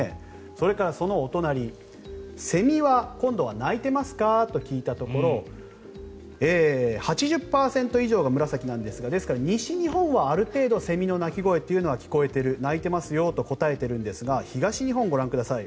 それからそのお隣セミは鳴いていますかと聞いたところ８０％以上が紫なんですがですから、西日本はある程度セミの鳴き声は聞こえている鳴いてますよと答えているんですが東日本をご覧ください。